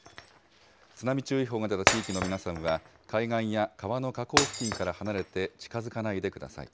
津波注意報が出た地域の皆さんは、海岸や川の河口付近から離れて、近づかないでください。